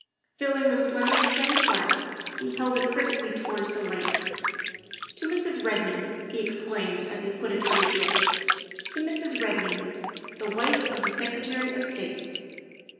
Filling the slender stemmed glass, he held it criti cally towards the light. " To Mrs. Redmond!" he exclaimed as he put it to his lips; " to Mrs. Redmond, the wife of the Secretary of State!"